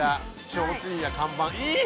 ちょうちんや看板いい！